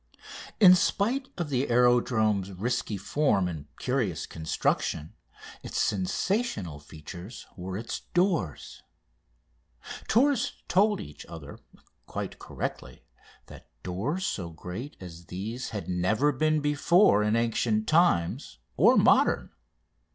In spite of the aerodrome's risky form and curious construction its sensational features were its doors. Tourists told each other (quite correctly) that doors so great as these had never been before in ancient times or modern.